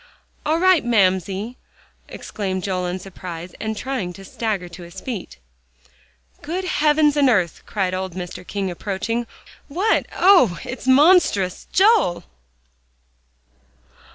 "All right, Mamsie!" exclaimed Joel in surprise, and trying to stagger to his feet. "Good heavens and earth!" cried old Mr. King, approaching. "What? oh! it's monstrous Joel!"